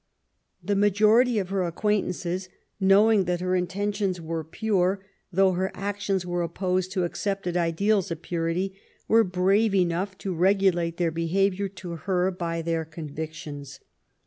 '' The majority of her acquaintances, knowing that her intentions were pure, though her actions were opposed to accepted ideals of purity, were brave enough to regu late their behaviour to her by their convictions.